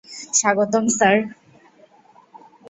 স্বাগতম, স্যার।